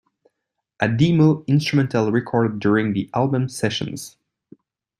A demo instrumental recorded during "The Album" sessions.